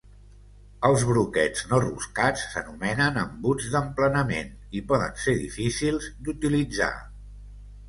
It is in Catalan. Els broquets no roscats s'anomenen embuts d'emplenament i poden ser difícils d'utilitzar.